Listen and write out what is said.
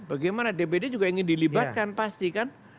bagaimana dpd juga ingin dilibatkan pasti kan